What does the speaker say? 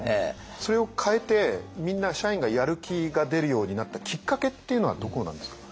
それを変えてみんな社員がやる気が出るようになったきっかけっていうのはどこなんですか？